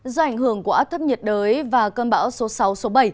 do ảnh hưởng của áp thấp nhiệt đới và cơn bão số sáu số bảy